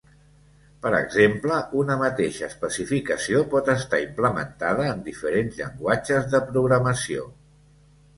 Per exemple una mateixa especificació pot estar implementada en diferents llenguatges de programació.